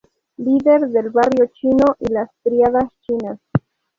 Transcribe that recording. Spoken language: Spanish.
Líder del barrio chino y las tríadas chinas.